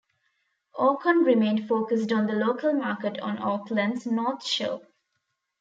Orcon remained focused on the local market on Auckland's North Shore.